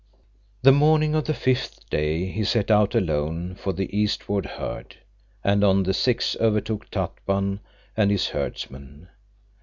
The morning of the fifth day he set out alone for the eastward herd, and on the sixth overtook Tatpan and his herdsmen.